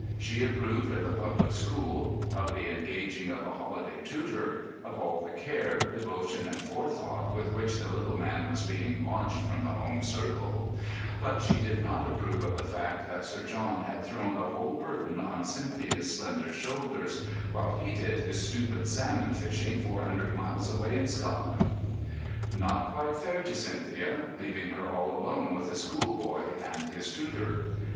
She approved of the public school, of the engaging of a holiday tutor, of all the care, devotion, and forethought with which the little man was being launched from the home circle; but she did not approve of the fact that Sir John had thrown the whole burden on Cynthia's slender shoulders, while he did his stupid salmon fishing four hundred miles away in Scotland. Not quite fair to Cynthia—leaving her all alone with a schoolboy and his tutor.